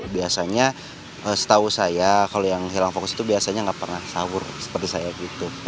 biasanya setahu saya kalau yang hilang fokus itu biasanya nggak pernah sahur seperti saya gitu